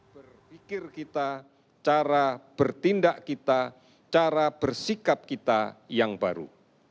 berpikir kita cara bertindak kita cara bersikap kita yang baru